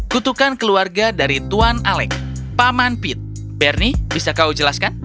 kutukan keluarga dari tuan alec paman pit bernie bisa kau jelaskan